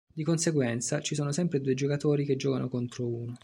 Di conseguenza, ci sono sempre due giocatori che giocano contro uno.